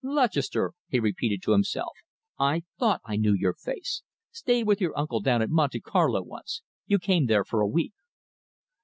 "Lutchester," he repeated to himself. "I thought I knew your face. Stayed with your uncle down at Monte Carlo once. You came there for a week."